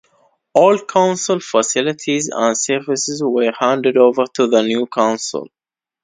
All council facilities and services were handed over to the new council.